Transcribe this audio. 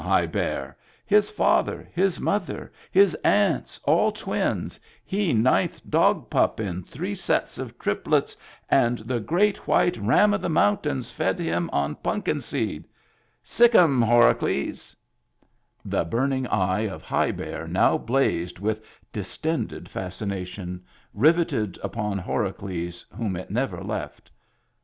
High Bear ! His father, his mother, his aunts all twins, he ninth dog pup in three sets <rf triplets, and the great white Ram of the Mountains fed him on punkin seed. — Sick 'em, Horacles." Digitized by Google HAPPY TEETH 65 The burning eye of High Bear now blazed with distended fascination, riveted upon Hora cles, whom it never left.